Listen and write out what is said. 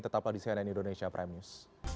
tetap lagi di cnn indonesia prime news